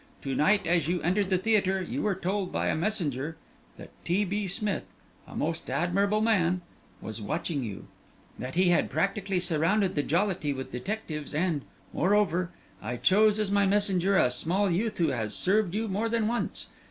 To night, as you entered the theatre, you were told by a messenger that T. B. Smith a most admirable man was watching you that he had practically surrounded the Jollity with detectives, and, moreover, I chose as my messenger a small youth who has served you more than once.